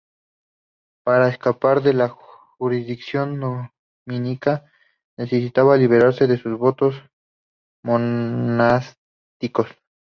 Para escapar de la jurisdicción dominica, necesitaba liberarse de sus votos monásticos.